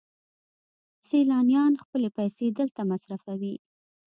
سیلانیان خپلې پیسې دلته مصرفوي.